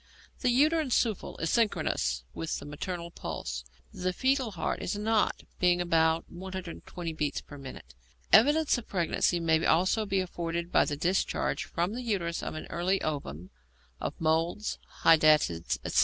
The uterine souffle is synchronous with the maternal pulse; the foetal heart is not, being about 120 beats per minute. Evidence of pregnancy may also be afforded by the discharge from the uterus of an early ovum, of moles, hydatids, etc.